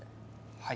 はい。